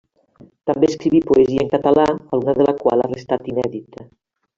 També escriví poesia en català, alguna de la qual ha restat inèdita.